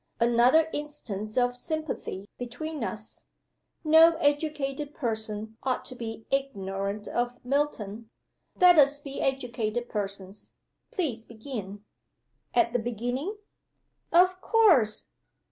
"Another instance of sympathy between us. No educated person ought to be ignorant of Milton. Let us be educated persons. Please begin." "At the beginning?" "Of course!